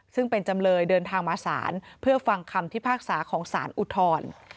ซึ่งเป็นจำเลยเดินทางมาศาลเพื่อฟังคำพิพากษาของสารอุทธร